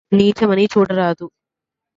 నీచమని చూడరాదు